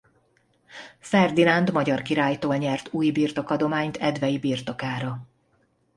Ferdinánd magyar királytól nyert új birtokadományt edvei birtokára.